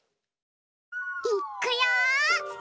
いっくよ！